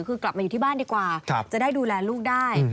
คือกลับมาอยู่ที่บ้านดีกว่าจะได้ดูแลลูกได้